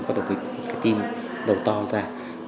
bắt đầu cái tim đầu to ra